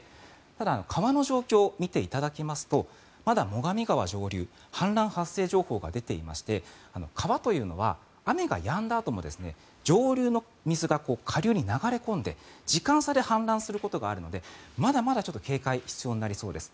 ただ、川の状況を見ていただきますとまだ最上川の上流は氾濫発生情報が出ていまして川というのは雨がやんだあとも上流の水が下流に流れ込んで時間差で氾濫することがあるのでまだまだ警戒が必要になりそうです。